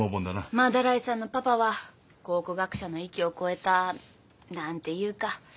斑井さんのパパは考古学者の域を超えた何ていうか。